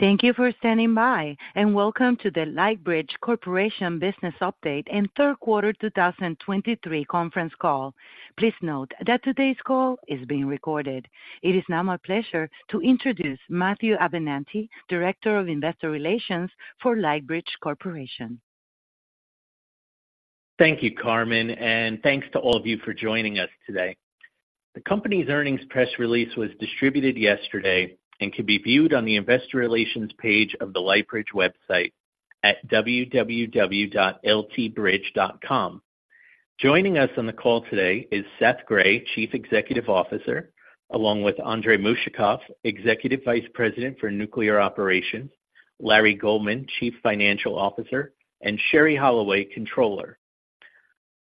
Thank you for standing by, and welcome to the Lightbridge Corporation Business Update and Third Quarter 2023 Conference Call. Please note that today's call is being recorded. It is now my pleasure to introduce Matthew Abenante, Director of Investor Relations for Lightbridge Corporation. Thank you, Carmen, and thanks to all of you for joining us today. The company's earnings press release was distributed yesterday and can be viewed on the Investor Relations page of the Lightbridge website at www.ltbridge.com. Joining us on the call today is Seth Grae, Chief Executive Officer, along with Andrey Mushakov, Executive Vice President for Nuclear Operations, Larry Goldman, Chief Financial Officer, and Sherrie Holloway, Controller.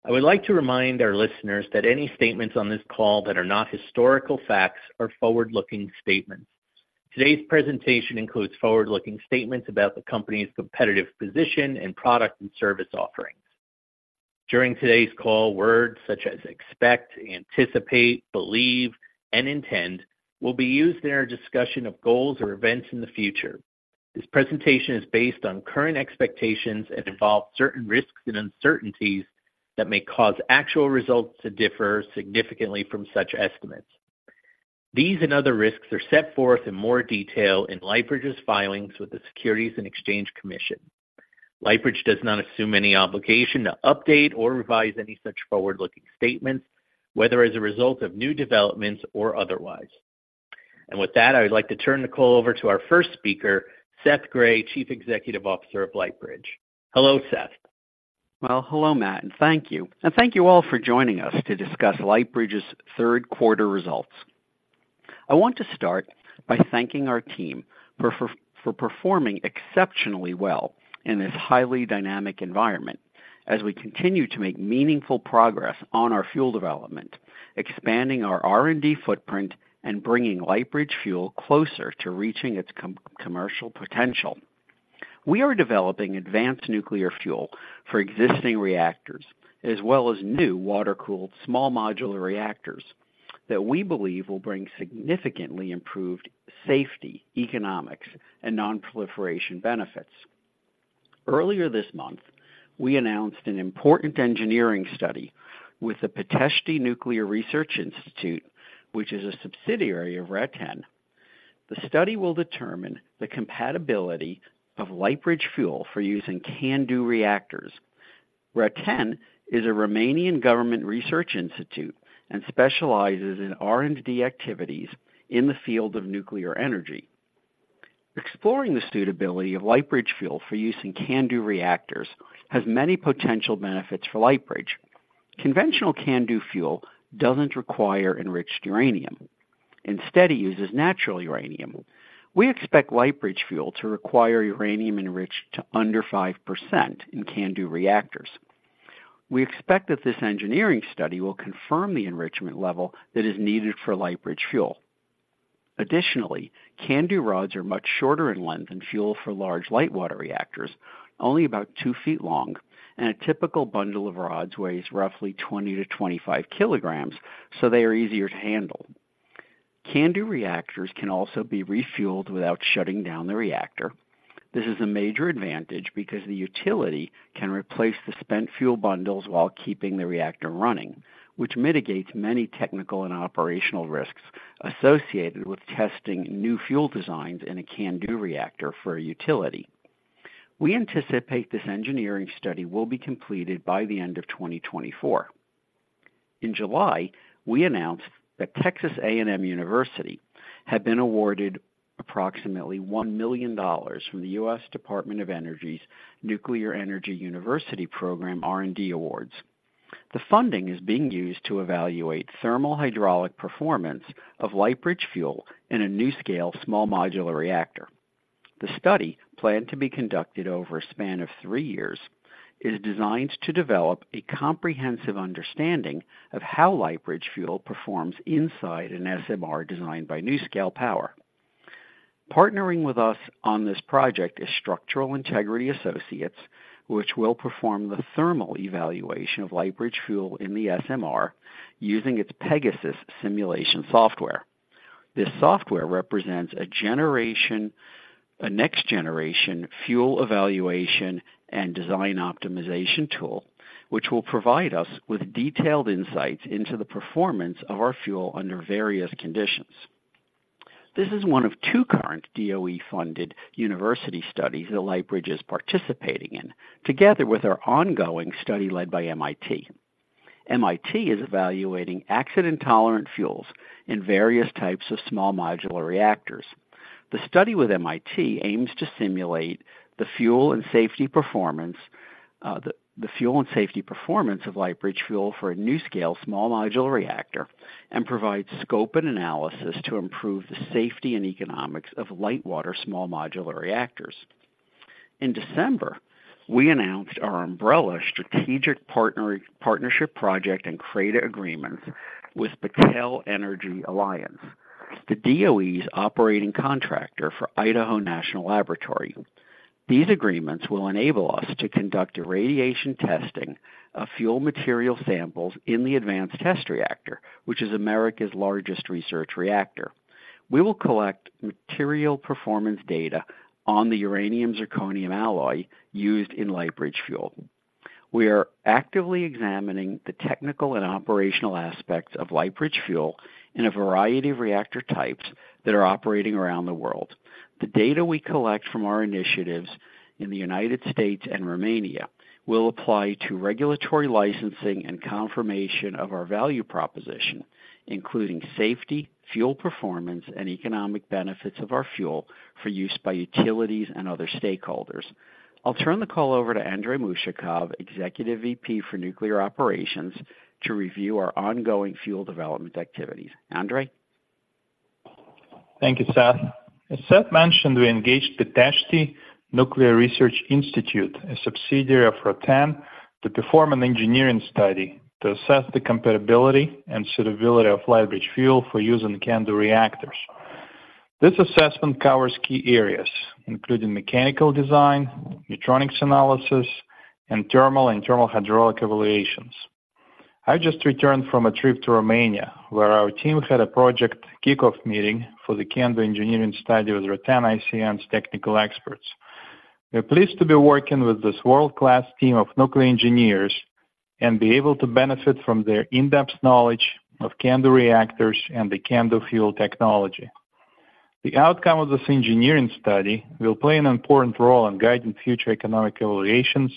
I would like to remind our listeners that any statements on this call that are not historical facts are forward-looking statements. Today's presentation includes forward-looking statements about the company's competitive position and product and service offerings. During today's call, words such as expect, anticipate, believe, and intend will be used in our discussion of goals or events in the future. This presentation is based on current expectations and involves certain risks and uncertainties that may cause actual results to differ significantly from such estimates. These and other risks are set forth in more detail in Lightbridge's filings with the Securities and Exchange Commission. Lightbridge does not assume any obligation to update or revise any such forward-looking statements, whether as a result of new developments or otherwise. With that, I would like to turn the call over to our first speaker, Seth Grae, Chief Executive Officer of Lightbridge. Hello, Seth. Well, hello, Matt, and thank you. Thank you all for joining us to discuss Lightbridge's third quarter results. I want to start by thanking our team for performing exceptionally well in this highly dynamic environment as we continue to make meaningful progress on our fuel development, expanding our R&D footprint and bringing Lightbridge Fuel closer to reaching its commercial potential. We are developing advanced nuclear fuel for existing reactors as well as new water-cooled small modular reactors that we believe will bring significantly improved safety, economics, and non-proliferation benefits. Earlier this month, we announced an important engineering study with the Pitești Nuclear Research Institute, which is a subsidiary of RATEN. The study will determine the compatibility of Lightbridge Fuel for use in CANDU reactors. RATEN is a Romanian government research institute and specializes in R&D activities in the field of nuclear energy. Exploring the suitability of Lightbridge Fuel for use in CANDU reactors has many potential benefits for Lightbridge. Conventional CANDU fuel doesn't require enriched uranium. Instead, it uses natural uranium. We expect Lightbridge Fuel to require uranium enriched to under 5% in CANDU reactors. We expect that this engineering study will confirm the enrichment level that is needed for Lightbridge Fuel. Additionally, CANDU rods are much shorter in length than fuel for large light water reactors, only about 2 ft long, and a typical bundle of rods weighs roughly 20 kg-25 kg, so they are easier to handle. CANDU reactors can also be refueled without shutting down the reactor. This is a major advantage because the utility can replace the spent fuel bundles while keeping the reactor running, which mitigates many technical and operational risks associated with testing new fuel designs in a CANDU reactor for a utility. We anticipate this engineering study will be completed by the end of 2024. In July, we announced that Texas A&M University had been awarded approximately $1 million from the U.S. Department of Energy's Nuclear Energy University Program R&D Awards. The funding is being used to evaluate thermal hydraulic performance of Lightbridge Fuel in a NuScale small modular reactor. The study, planned to be conducted over a span of three years, is designed to develop a comprehensive understanding of how Lightbridge Fuel performs inside an SMR designed by NuScale Power. Partnering with us on this project is Structural Integrity Associates, which will perform the thermal evaluation of Lightbridge Fuel in the SMR using its Pegasus simulation software. This software represents a next-generation fuel evaluation and design optimization tool, which will provide us with detailed insights into the performance of our fuel under various conditions. This is one of two current DOE-funded university studies that Lightbridge is participating in, together with our ongoing study led by MIT. MIT is evaluating accident-tolerant fuels in various types of small modular reactors. The study with MIT aims to simulate the fuel and safety performance of Lightbridge fuel for a NuScale small modular reactor and provide scope and analysis to improve the safety and economics of light-water small modular reactors. In December, we announced our umbrella strategic partnership project and CRADA agreements with Battelle Energy Alliance, the DOE's operating contractor for Idaho National Laboratory. These agreements will enable us to conduct a radiation testing of fuel material samples in the Advanced Test Reactor, which is America's largest research reactor. We will collect material performance data on the uranium-zirconium alloy used in Lightbridge fuel. We are actively examining the technical and operational aspects of Lightbridge fuel in a variety of reactor types that are operating around the world. The data we collect from our initiatives in the United States and Romania will apply to regulatory licensing and confirmation of our value proposition, including safety, fuel performance, and economic benefits of our fuel for use by utilities and other stakeholders. I'll turn the call over to Andrey Mushakov, Executive VP for Nuclear Operations, to review our ongoing fuel development activities. Andrey? Thank you, Seth. As Seth mentioned, we engaged the Pitești Nuclear Research Institute, a subsidiary of RATEN, to perform an engineering study to assess the compatibility and suitability of Lightbridge Fuel for use in CANDU reactors. This assessment covers key areas, including mechanical design, neutronics analysis, and thermal and thermal hydraulic evaluations. I just returned from a trip to Romania, where our team had a project kickoff meeting for the CANDU engineering study with RATEN ICN's technical experts. We're pleased to be working with this world-class team of nuclear engineers and be able to benefit from their in-depth knowledge of CANDU reactors and the CANDU fuel technology. The outcome of this engineering study will play an important role in guiding future economic evaluations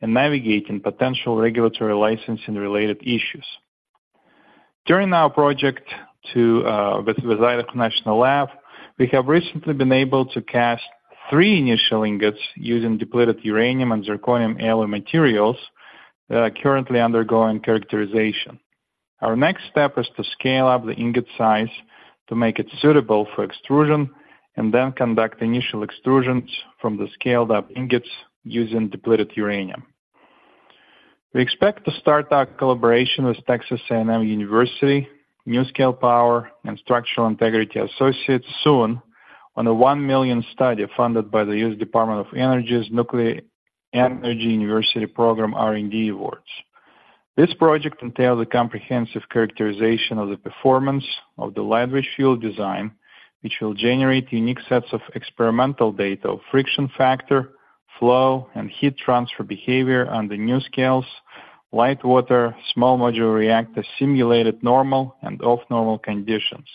and navigating potential regulatory licensing-related issues. During our project with Idaho National Laboratory, we have recently been able to cast three initial ingots using depleted uranium and zirconium alloy materials that are currently undergoing characterization. Our next step is to scale up the ingot size to make it suitable for extrusion, and then conduct initial extrusions from the scaled-up ingots using depleted uranium. We expect to start our collaboration with Texas A&M University, NuScale Power, and Structural Integrity Associates soon on a $1 million study funded by the U.S. Department of Energy's Nuclear Energy University Program R&D awards. This project entails a comprehensive characterization of the performance of the Lightbridge Fuel design, which will generate unique sets of experimental data of friction factor, flow, and heat transfer behavior on the NuScale's light water small modular reactor, simulated normal and off-normal conditions.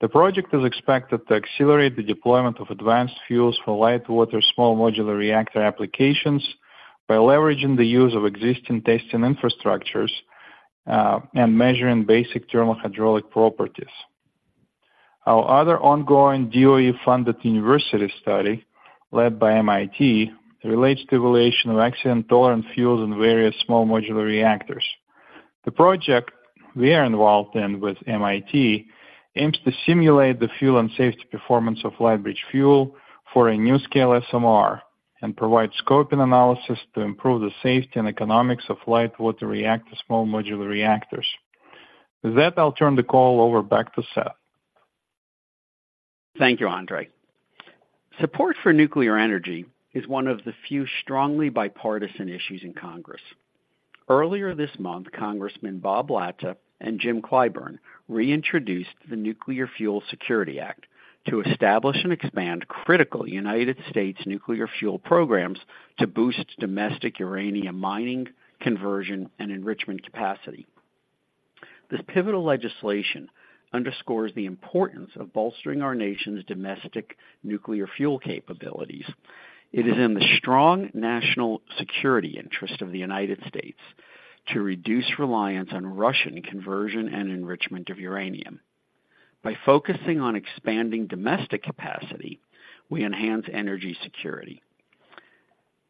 The project is expected to accelerate the deployment of advanced fuels for light water small modular reactor applications by leveraging the use of existing testing infrastructures, and measuring basic thermal hydraulic properties. Our other ongoing DOE-funded university study, led by MIT, relates to evaluation of accident-tolerant fuels in various small modular reactors. The project we are involved in with MIT aims to simulate the fuel and safety performance of Lightbridge Fuel for a NuScale SMR and provide scope and analysis to improve the safety and economics of light water reactor small modular reactors. With that, I'll turn the call over back to Seth. Thank you, Andrey. Support for nuclear energy is one of the few strongly bipartisan issues in Congress. Earlier this month, Congressman Bob Latta and Jim Clyburn reintroduced the Nuclear Fuel Security Act to establish and expand critical United States nuclear fuel programs to boost domestic uranium mining, conversion, and enrichment capacity. This pivotal legislation underscores the importance of bolstering our nation's domestic nuclear fuel capabilities. It is in the strong national security interest of the United States to reduce reliance on Russian conversion and enrichment of uranium. By focusing on expanding domestic capacity, we enhance energy security.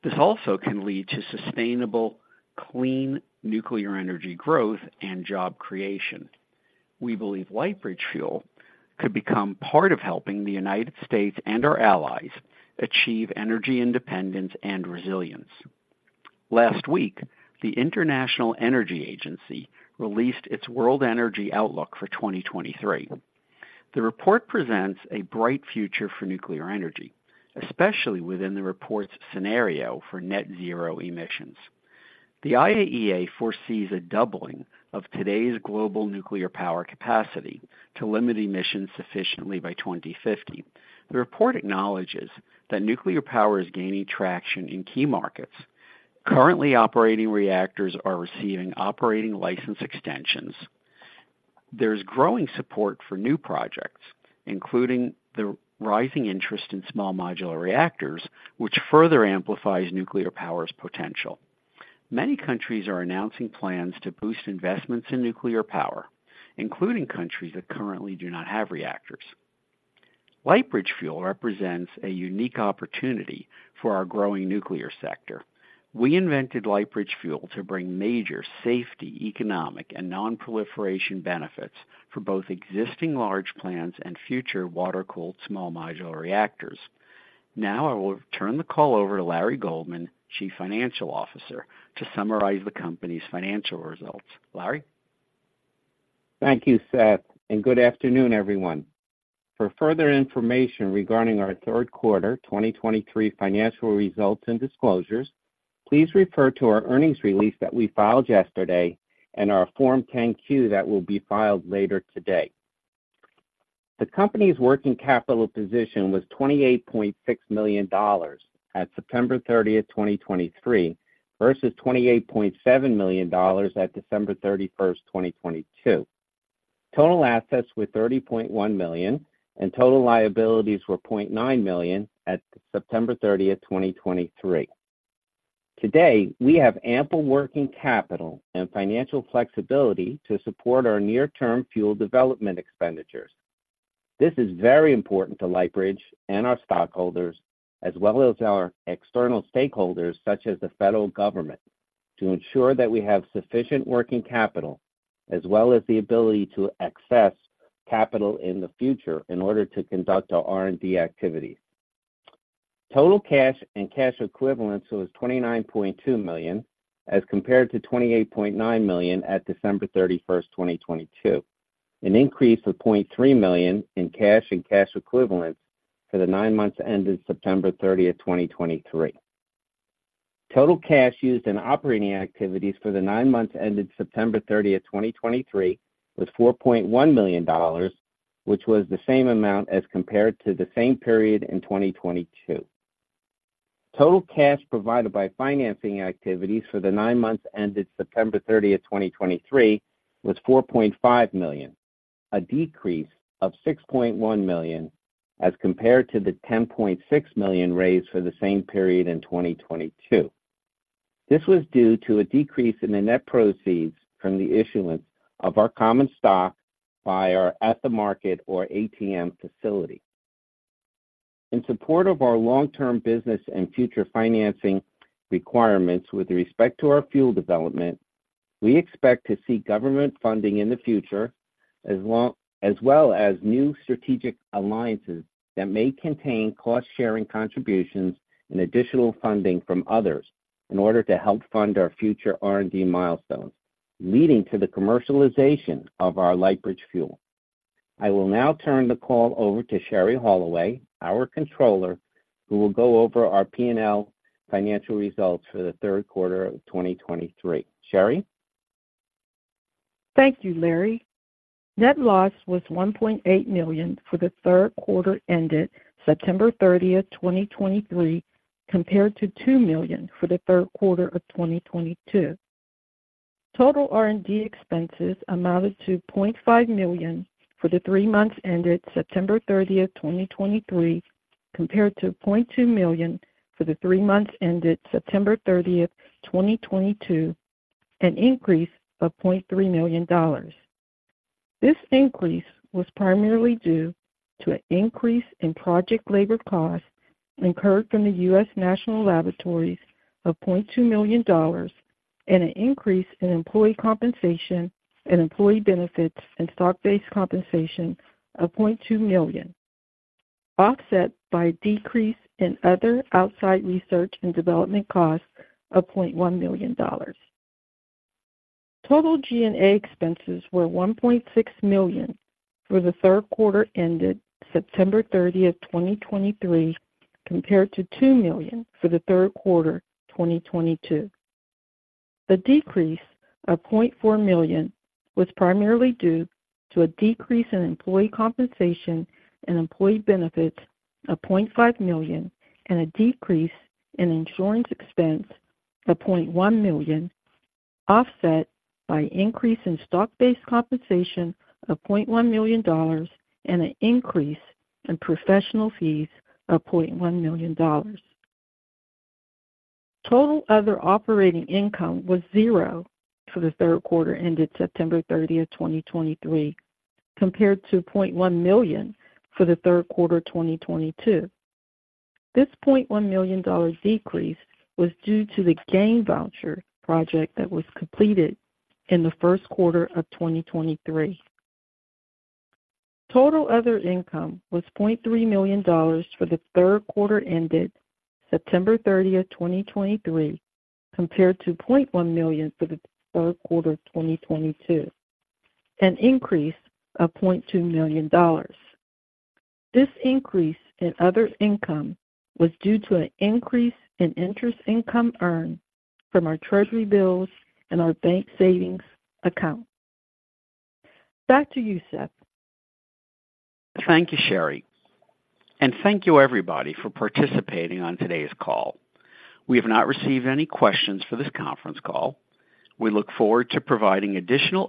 This also can lead to sustainable, clean nuclear energy growth and job creation. We believe Lightbridge Fuel could become part of helping the United States and our allies achieve energy independence and resilience. Last week, the International Energy Agency released its World Energy Outlook for 2023. The report presents a bright future for nuclear energy, especially within the report's scenario for Net Zero emissions. The IAEA foresees a doubling of today's global nuclear power capacity to limit emissions sufficiently by 2050. The report acknowledges that nuclear power is gaining traction in key markets. Currently, operating reactors are receiving operating license extensions. There's growing support for new projects, including the rising interest in small modular reactors, which further amplifies nuclear power's potential. Many countries are announcing plans to boost investments in nuclear power, including countries that currently do not have reactors. Lightbridge Fuel represents a unique opportunity for our growing nuclear sector. We invented Lightbridge Fuel to bring major safety, economic, and non-proliferation benefits for both existing large plants and future water-cooled small modular reactors. Now I will turn the call over to Larry Goldman, Chief Financial Officer, to summarize the company's financial results. Larry? Thank you, Seth, and good afternoon, everyone. For further information regarding our third quarter 2023 financial results and disclosures, please refer to our earnings release that we filed yesterday and our Form 10-Q that will be filed later today. The company's working capital position was $28.6 million at September 30th, 2023, versus $28.7 million at December 31st, 2022. Total assets were $30.1 million, and total liabilities were $0.9 million at September 30th, 2023. Today, we have ample working capital and financial flexibility to support our near-term fuel development expenditures. This is very important to Lightbridge and our stockholders, as well as our external stakeholders, such as the federal government, to ensure that we have sufficient working capital as well as the ability to access capital in the future in order to conduct our R&D activities. Total cash and cash equivalents was $29.2 million, as compared to $28.9 million at December 31st, 2022, an increase of $0.3 million in cash and cash equivalents for the nine months ended September 30th, 2023. Total cash used in operating activities for the nine months ended September 30th, 2023, was $4.1 million, which was the same amount as compared to the same period in 2022. Total cash provided by financing activities for the nine months ended September 30th, 2023, was $4.5 million, a decrease of $6.1 million as compared to the $10.6 million raised for the same period in 2022. This was due to a decrease in the net proceeds from the issuance of our common stock by our at-the-market, or ATM, facility. In support of our long-term business and future financing requirements with respect to our fuel development, we expect to see government funding in the future, as well as new strategic alliances that may contain cost-sharing contributions and additional funding from others in order to help fund our future R&D milestones, leading to the commercialization of our Lightbridge Fuel. I will now turn the call over to Sherrie Holloway, our Controller, who will go over our P&L financial results for the third quarter of 2023. Sherrie? Thank you, Larry. Net loss was $1.8 million for the third quarter ended September 30th, 2023, compared to $2 million for the third quarter of 2022. Total R&D expenses amounted to $0.5 million for the three months ended September 30th, 2023, compared to $0.2 million for the three months ended September 30th, 2022, an increase of $0.3 million. This increase was primarily due to an increase in project labor costs incurred from the U.S. National Laboratories of $0.2 million and an increase in employee compensation and employee benefits and stock-based compensation of $0.2 million, offset by a decrease in other outside research and development costs of $0.1 million. Total G&A expenses were $1.6 million for the third quarter ended September 30th, 2023, compared to $2 million for the third quarter, 2022. The decrease of $0.4 million was primarily due to a decrease in employee compensation and employee benefits of $0.5 million, and a decrease in insurance expense of $0.1 million, offset by an increase in stock-based compensation of $0.1 million and an increase in professional fees of $0.1 million. Total other operating income was zero for the third quarter, ended September 30th, 2023, compared to $0.1 million for the third quarter, 2022. This $0.1 million decrease was due to the GAIN voucher project that was completed in the first quarter of 2023. Total other income was $0.3 million for the third quarter, ended September 30th, 2023, compared to $0.1 million for the third quarter, 2022, an increase of $0.2 million. This increase in other income was due to an increase in interest income earned from our treasury bills and our bank savings account. Back to you, Seth. Thank you, Sherrie, and thank you everybody for participating on today's call. We have not received any questions for this conference call. We look forward to providing additional.